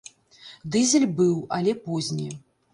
Дызель быў, але позні.